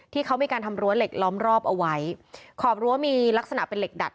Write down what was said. ที่เขามีการทำรั้วเหล็กล้อมรอบเอาไว้ขอบรั้วมีลักษณะเป็นเหล็กดัด